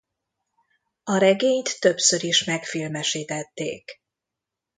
A regényt többször is megfilmesítették.